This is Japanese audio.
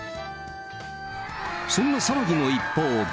そんな騒ぎの一方で。